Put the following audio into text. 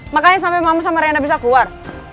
makanya sampe mama sama rena bisa keluar